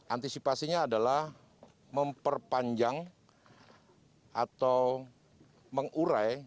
antisipasinya adalah memperpanjang atau mengurai